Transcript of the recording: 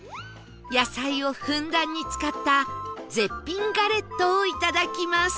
野菜をふんだんに使った絶品ガレットをいただきます